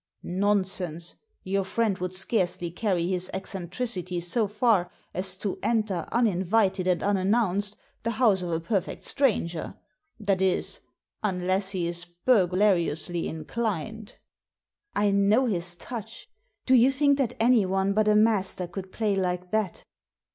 "Nonsense! Your friend would scarcely carry his eccentricity so far as to enter, uninvited and unannounced, the house of a perfect stranger— that is, unless he is burglariously inclined." "I know his touch. Do you think that anyone but a master could play like that?"